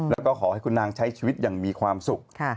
แล้วก็ขอให้คุณนางใช้ชีวิตอย่างมีความสุข